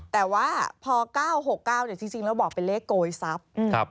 แต่ว่าพอ๙๖๙เราก็บอกเป็นเลขโกยซับ